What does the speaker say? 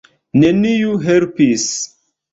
Neniu helpis.